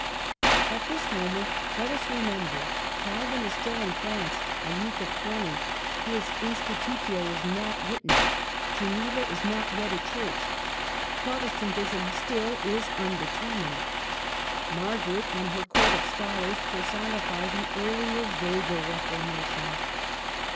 At this moment, let us remember, Calvin is still in France, a youth of twenty ; his "" Insti tutio " is not written, Geneva is not yet a Church, Protestantism still is undetermined. » Margaret and her court of scholars personify the ear lier, vaguer Reformation.